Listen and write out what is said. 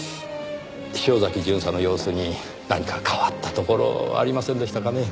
潮崎巡査の様子に何か変わったところありませんでしたかね？